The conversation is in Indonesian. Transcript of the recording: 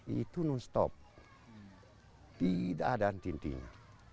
itu non stop tidak ada antintinya